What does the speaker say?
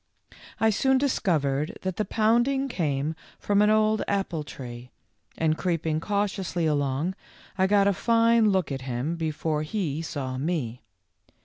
I soon discovered that the pounding came from an old apple tree, and creeping cautiously along, I got a fine look at him before he saw me.